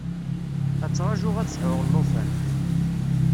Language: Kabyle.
Ad ttraǧuɣ ad sɛuɣ llufan.